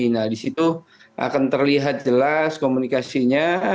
nah di situ akan terlihat jelas komunikasinya